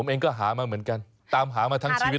ผมเองก็หามาเหมือนกันตามหามาทั้งชีวิต